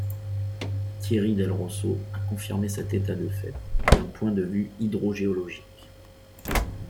Thierry del Rosso a confirmé cet état de fait d'un point de vue hydrogéologique.